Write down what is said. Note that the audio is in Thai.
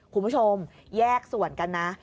คุณผู้ชมแยกส่วนกันนะ